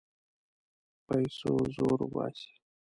پیسو زور وباسي.